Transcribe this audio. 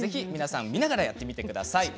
見ながらやってください。